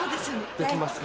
できますか？